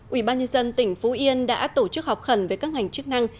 ubnd tỉnh phú yên đã tổ chức học khẩn với các ngành chức năng